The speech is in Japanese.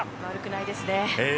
悪くないですね。